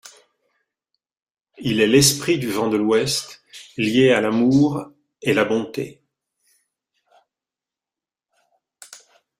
Il est l'esprit du vent de l'Ouest, lié à l'amour et la bonté.